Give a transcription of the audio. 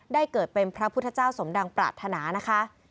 เกิดเป็นพระพุทธเจ้าสมดังปรารถนานะคะ